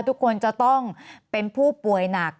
ทุกคนจะต้องเป็นผู้ป่วยหนัก